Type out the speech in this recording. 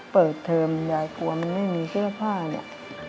เปิดเทอมยายกลัวมันไม่มีเสื้อผ้าเนี่ย